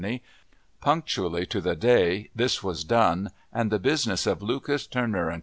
Punctually to the day, this was done, and the business of Lucas, Turner & Co.